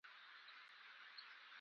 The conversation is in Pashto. د پښ کور چې وسو هغومره ښه سو.